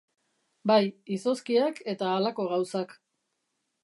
Bai, izozkiak eta halako gauzak.